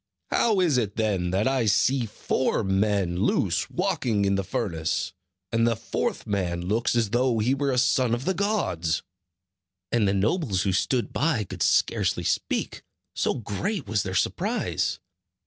How is it then that I see four men loose walking in the furnace; and the fourth man looks as though he were a son of the gods?" And the nobles who stood by could scarcely speak, so great was their surprise.